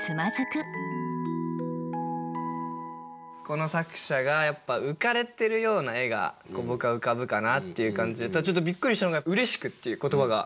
この作者がやっぱ浮かれてるような絵が僕は浮かぶかなっていう感じでちょっとびっくりしたのが「嬉しく」っていう言葉が。